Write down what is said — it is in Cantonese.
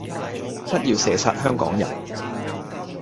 不要射殺香港人